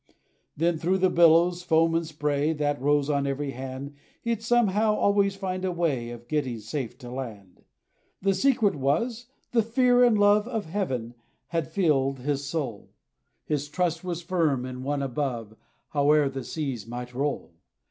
Then through the billows, foam, and spray, That rose on every hand, He 'd, somehow, always find a way Of getting safe to land. The secret was, the fear and love Of Heaven had filled his soul: His trust was firm in One above, Howe'er the seas might roll.